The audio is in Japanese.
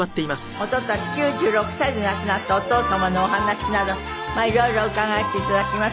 一昨年９６歳で亡くなったお父様のお話など色々伺わせて頂きます。